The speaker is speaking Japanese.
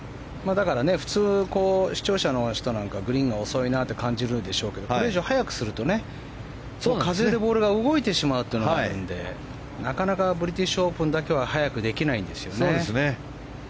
普通、視聴者の人なんかはグリーンが遅いなと感じるでしょうけどこれ以上速くすると風でボールが動いてしまうというのがあるのでなかなかブリティッシュオープンだけは速くできないんですよね。